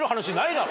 だろ？